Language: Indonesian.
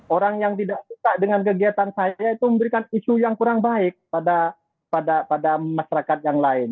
orang yang tidak suka dengan kegiatan saya itu memberikan isu yang kurang baik pada masyarakat yang lain